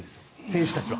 選手たちは。